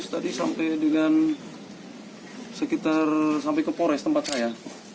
tadi sampai dengan sekitar sampai ke pores tempat saya